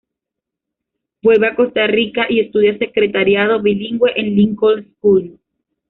Vuelve a Costa Rica y estudia secretariado bilingüe en Lincoln School.